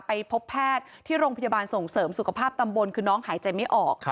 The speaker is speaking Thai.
ไปพบแพทย์ที่โรงพยาบาลส่งเสริมสุขภาพตำบลคือน้องหายใจไม่ออก